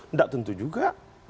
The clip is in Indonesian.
tidak tentu juga